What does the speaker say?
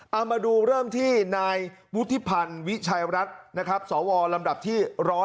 เอามาดูเริ่มที่นายบุธิพันธ์วิชัยรักษ์สวลำดับที่๑๗๔